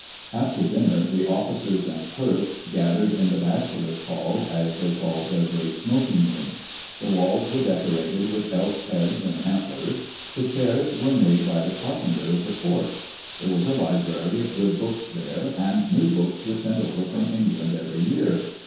After dinner the officers and clerks gathered in the Bachelors* Hall, as they called their great smoking room. The walls were decorated with elks' heads and antlers. iCios] Digitized by Google EARLY DAYS IN OLD OREGON The chairs were made by the carpenter at the fort There was a library of good books there, and new books were sent over from England every year.